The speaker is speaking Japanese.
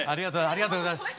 ありがとうございます。